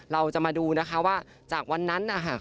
เราจะมาดูนะคะว่าจากวันนั้น